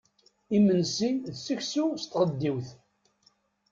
Imensi d seksu s tɣeddiwt.